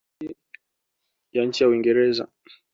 akajiunga na chelsea ya nchini uingereza